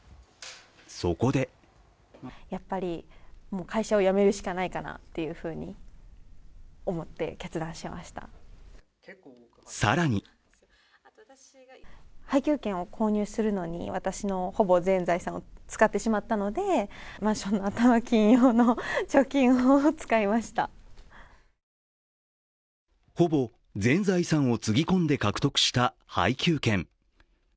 そこで更にほぼ全財産をつぎ込んで獲得した配給権。